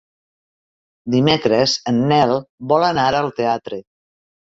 Dimecres en Nel vol anar al teatre.